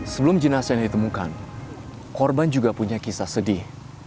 sebelum jenazah yang ditemukan korban juga punya kisah sedih